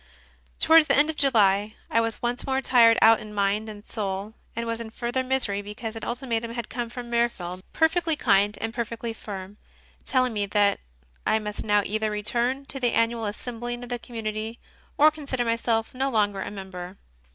Towards the end of July I was once more tired out in mind and soul, and was in further misery because an ultimatum had come from Mirfield, perfectly kind and perfectly firm, telling me that I must now either return to the annual assembling of the community or consider myself no longer a member.